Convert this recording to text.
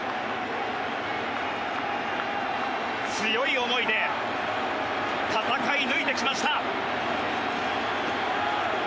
強い思いで戦い抜いてきました。